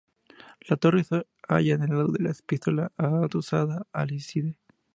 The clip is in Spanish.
La torre se halla en el lado de la epístola, adosada al ábside.